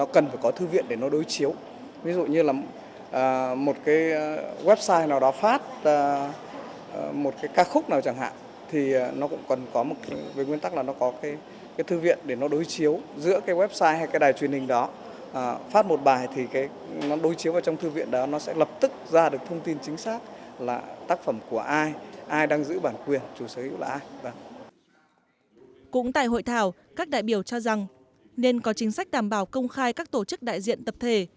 cũng tại hội thảo các đại biểu cho rằng nên có chính sách đảm bảo công khai các tổ chức đại diện tập thể